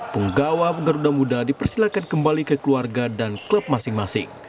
penggawa peruda muda dipersilakan kembali ke keluarga dan klub masing masing